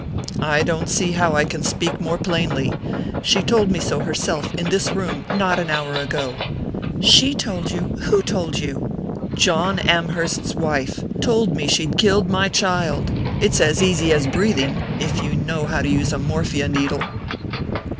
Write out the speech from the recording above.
"I don't see how I can speak more plainly. She told me so herself, in this room, not an hour ago." "She told you? Who told you?" "John Amherst's wife. Told me she'd killed my child. It's as easy as breathing if you know how to use a morphia needle."